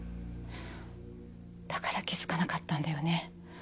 だから気付かなかったんだよね